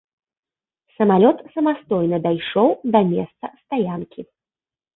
Самалёт самастойна дайшоў да месца стаянкі.